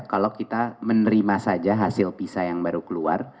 kalau kita menerima saja hasil pisa yang baru keluar